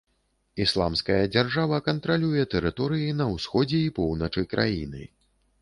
Ісламская дзяржава кантралюе тэрыторыі на ўсходзе і поўначы краіны.